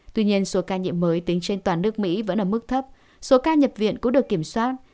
tuy nhiên số ca nhiễm mới tính trên toàn nước mỹ vẫn ở mức thấp số ca nhập viện cũng được kiểm soát